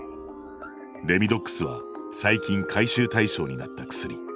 レミドックスは最近回収対象になった薬。